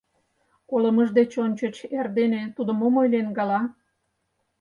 Колымыж деч ончыч эрдене тудо мом ойлен гала?